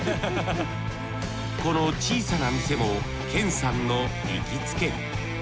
この小さな店も剣さんの行きつけ。